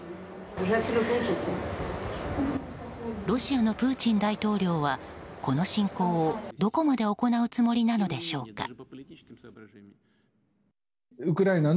ロシアのプーチン大統領はこの侵攻をどこまで行うつもりなのでしょうか。